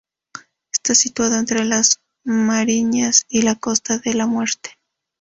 Está situado entre las Mariñas y la Costa de la Muerte.